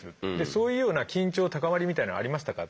そういうような緊張高まりみたいなのありましたか？